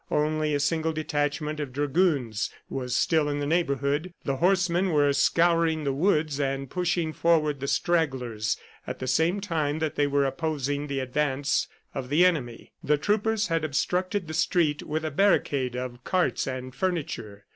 Only a single detachment of dragoons was still in the neighborhood; the horsemen were scouring the woods and pushing forward the stragglers at the same time that they were opposing the advance of the enemy. The troopers had obstructed the street with a barricade of carts and furniture.